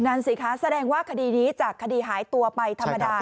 นั่นสิคะแสดงว่าคดีนี้จากคดีหายตัวไปธรรมดา